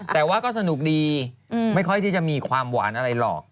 แต่ว่าก็สนุกดีไม่ค่อยที่จะมีความหวานอะไรหรอก